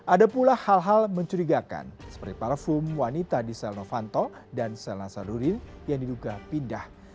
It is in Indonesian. ada pula hal hal mencurigakan seperti parfum wanita di sel novanto dan sel nasadurin yang diduga pindah